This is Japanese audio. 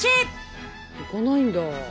いかないんだ。